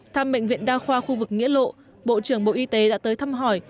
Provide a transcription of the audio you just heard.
thăm bệnh viện đa khoa khu vực nghĩa lộ bộ trưởng bộ y tế đã tới thăm hỏi